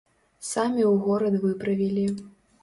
Самі ў горад выправілі.